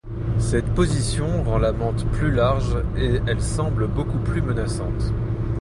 Cette position rend la mante plus large et elle semble beaucoup plus menaçante.